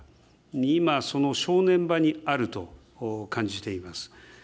今、その正念場にあると感じています。